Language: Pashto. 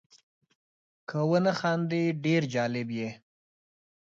که ونه خاندې ډېر جالب یې .